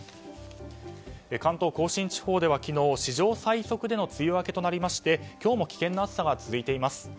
関東・甲信地方では昨日史上最速での梅雨明けとなりまして今日も危険な暑さが続いてます。